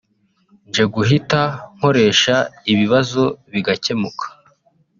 nje guhita nkoresha ibibazo bigakemuka